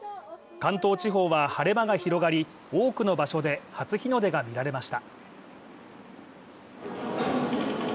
関東地方は晴れ間が広がり多くの場所で初日の出が見られました。